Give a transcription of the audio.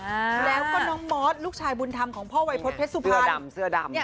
แล้วก็น้องมอสลูกชายบุญธรรมของพ่อวัยพจน์เพชรสุพรรณ